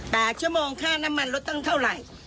กาชมองค่าน้ำมันรถตั้งเท่าไหร่